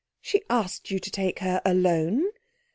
'She asked you to take her alone?'